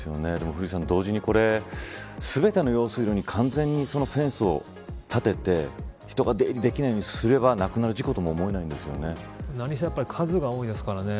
古市さん、同時に全ての用水路に完全にフェンスを建て人が出入りできないようにすればなくなる事故とも何せ、数が多いですからね。